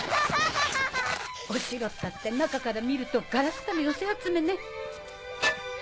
お城ったって中から見るとガラクタの寄せ集めね。